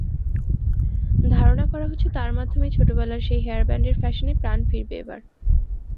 ধারণা করা হচ্ছে, তাঁর মাধ্যমেই ছোটবেলার সেই হেয়ারব্যান্ডের ফ্যাশনে প্রাণ ফিরবে এবার।